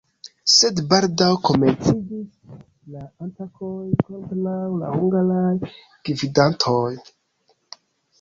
Sed baldaŭ komenciĝis la atakoj kontraŭ la hungaraj gvidantoj.